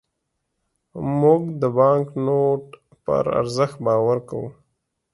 موږ د بانکنوټ پر ارزښت باور کوو.